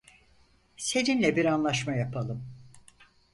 Seninle bir anlaşma yapalım.